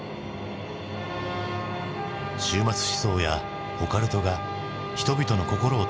終末思想やオカルトが人々の心を捉えていた。